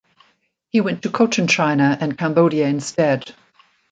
He went to Cochinchina and Cambodia instead.